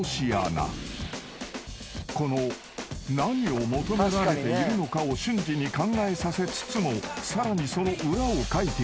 ［この何を求められているのかを瞬時に考えさせつつもさらにその裏をかいてゆく］